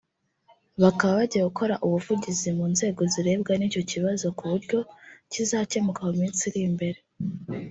Bakaba bagiye gukora ubuvugizi mu nzego zirebwa n’icyo kibazo ku buryo kizakemuka mu minsi iri imbere